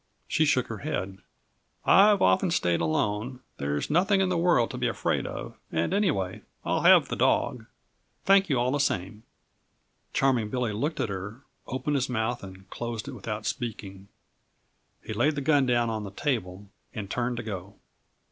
She shook her head. "I've often stayed alone. There's nothing in the world to be afraid of and anyway, I'll have the dog. Thank you, all the same." Charming Billy looked at her, opened his mouth and closed it without speaking. He laid the gun down on the table and turned to go.